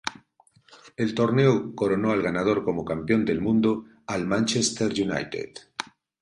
El torneo coronó al ganador como campeón del mundo al Manchester United.